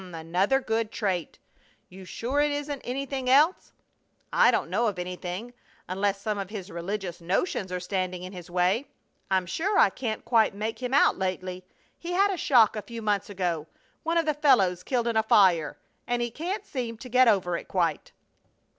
Another good trait! You're sure it isn't anything else?" "I don't know of anything unless some of his religious notions are standing in his way. I'm sure I can't quite make him out lately. He had a shock a few months ago one of the fellows killed in a fire and he can't seem to get over it quite."